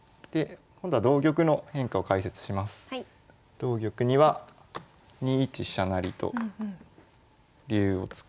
同玉には２一飛車成と竜を作って。